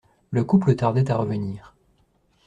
Le couple tardait à revenir.